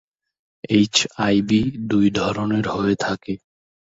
HIV দুই ধরনের হয়ে থাকে।